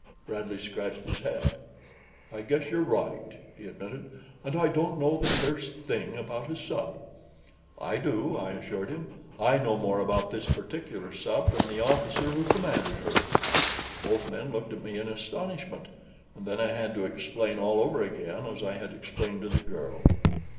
Bradley scratched his head. "I guess you're right," he admitted. "And I don't know the first thing about a sub." "I do," I assured him. "I know more about this particular sub than the officer who commanded her." Both men looked at me in astonishment, and then I had to explain all over again as I had explained to the girl.